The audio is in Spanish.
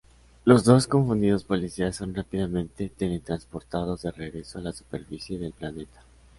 Los dos confundidos policías son rápidamente teletransportados de regreso a la superficie del planeta.